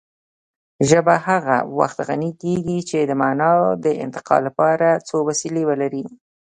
ژبه هغه وخت غني کېږي چې د مانا د انتقال لپاره څو وسیلې ولري